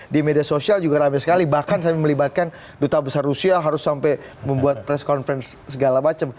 di media sosial juga rame sekali bahkan saya melibatkan duta besar rusia harus sampai membuat press conference segala macam